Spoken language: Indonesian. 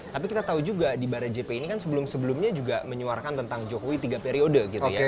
tapi kita tahu juga di barajp ini kan sebelum sebelumnya juga menyuarakan tentang jokowi tiga periode gitu ya